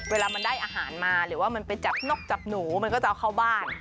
เวลามันได้อาหารมาหรือว่ามันไปจับนกจับหนูมันก็จะเอาเข้าบ้าน